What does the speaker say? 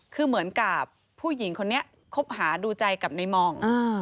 คือเหมือนกับผู้หญิงคนนี้คบหาดูใจกับในมอง